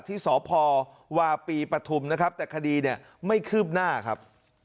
ที่สพวาปีปฐุมนะครับแต่คดีเนี่ยไม่คืบหน้าครับ